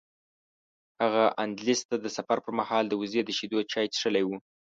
هغه اندلس ته د سفر پر مهال د وزې شیدو چای څښلي و.